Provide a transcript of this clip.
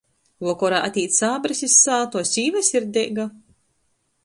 Vokorā atīt sābris iz sātu, a sīva sirdeiga.